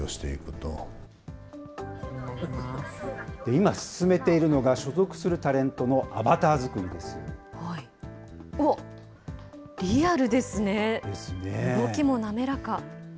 今、進めているのが、所属するタレントのアバター作りです。ですね。